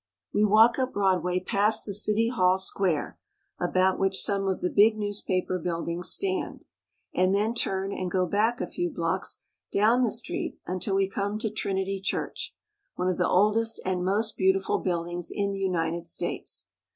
We walk up Broad way past the City Hall Square, about which some of the big news paper buildings stand, and then turn and go back a few blocks down the street until we come to Trinity Church, one of the oldest and most beautiful buildings in the United States.